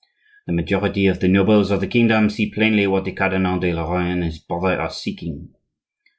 The majority of the nobles of the kingdom see plainly what the Cardinal de Lorraine and his brother are seeking.